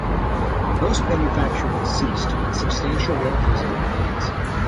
Most manufacturing has ceased, but substantial warehousing remains.